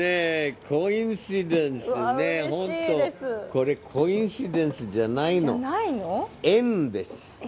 これコインシデンスじゃないの、縁です。